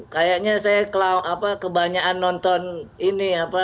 kayaknya saya kebanyakan nonton ini apa